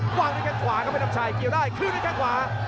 ขึ้นด้วยแค่ขวากับเฟย์น้ำชัยเกี่ยวได้ขึ้นด้วยแค่ขวา